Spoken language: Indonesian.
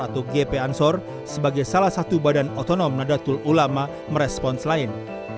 atau gp ansor sebagai salah satu badan otonom nadatul ulama merespons lain